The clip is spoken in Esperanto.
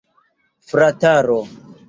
Frataro!